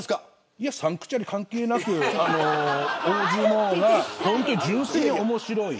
いやサンクチュアリ関係なく大相撲が純粋に面白い。